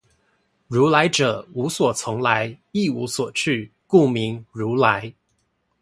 如來者，無所從來，亦無所去，故名如來